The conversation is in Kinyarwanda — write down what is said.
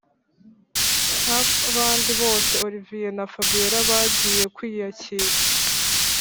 nkabandi bose olivier na fabiora bagiye kwiyakira